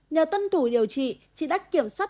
nhờ tân thủ điều trị chị đã kiểm soát